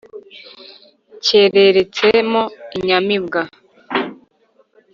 Cyareretsemo inyamibwa,